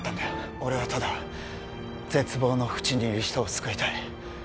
俺はただ絶望のふちにいる人を救いたい